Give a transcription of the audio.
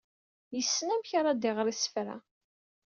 Yessen amek ara d-iɣer isefra.